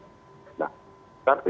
yang meringankan itu agak bersebut